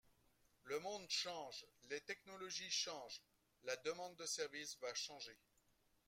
Le monde change, les technologies changent, la demande de services va changer.